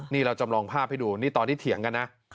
นี่เราจำลองภาพให้ดูนี่ตอนที่เถียงกันนะ